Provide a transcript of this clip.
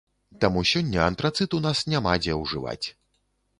Таму сёння антрацыт у нас няма дзе ўжываць.